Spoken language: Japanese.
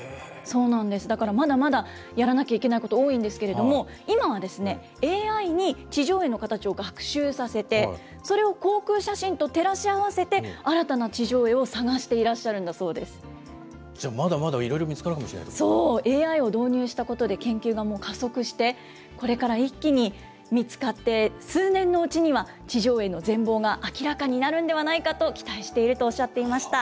だからまだまだやらなきゃいけないこと多いんですけれども、今はですね、ＡＩに地上絵の形を学習させて、それを航空写真と照らし合わせて、新たな地上絵を探してじゃあ、まだまだいろいろ見そう、ＡＩを導入したことで研究がもう加速して、これから一気に見つかって、数年のうちには、地上絵の全貌が明らかにになるんではないかと期待しているとおっしゃっていました。